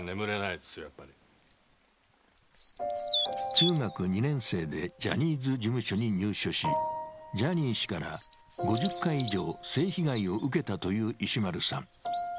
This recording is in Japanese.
中学２年生でジャニーズ事務所に入所し、ジャニー氏から５０回以上、性被害を受けたという石丸さん。